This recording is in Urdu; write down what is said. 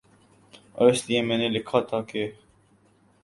اور اسی لیے میں نے لکھا تھا کہ